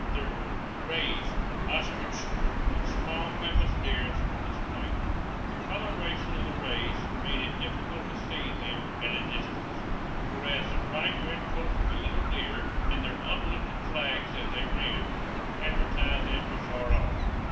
There were rheas ostriches and small pampas deer on this plain; the coloration of the rheas made it difficult to see them at a distance, whereas the bright red coats of the little deer, and their uplifted flags as they ran, advertised them afar off.